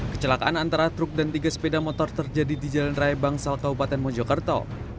kecelakaan antara truk dan tiga sepeda motor terjadi di jalan raya bangsal kabupaten mojokerto